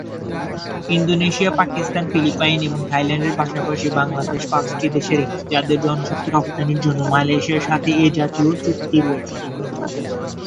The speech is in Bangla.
ইন্দোনেশিয়া, পাকিস্তান, ফিলিপাইন এবং থাইল্যান্ডের পাশাপাশি বাংলাদেশ পাঁচটি দেশের একটি, যাদের জনশক্তি রফতানির জন্য মালয়েশিয়ার সাথে এ জাতীয় চুক্তি রয়েছে।